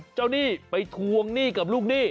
เจ้านี่ไปทวงหนี้กับลูกนี่